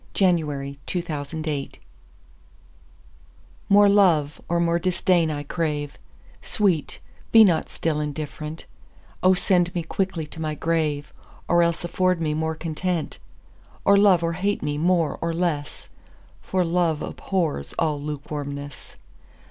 Against Indifference MORE love or more disdain I crave; Sweet, be not still indifferent: O send me quickly to my grave, Or else afford me more content! Or love or hate me more or less, For love abhors all lukewarmness.